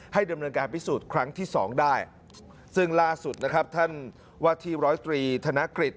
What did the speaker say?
ดำเนินการพิสูจน์ครั้งที่สองได้ซึ่งล่าสุดนะครับท่านว่าที่ร้อยตรีธนกฤษ